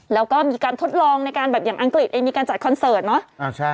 แล้วก็มีการทดลองในการแบบอย่างอังกฤษเองมีการจัดคอนเสิร์ตเนอะ